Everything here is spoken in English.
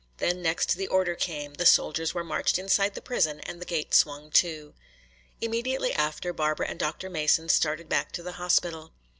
Then next the order came. The soldiers were marched inside the prison and the gate swung to. Immediately after Barbara and Dr. Mason started back to the hospital.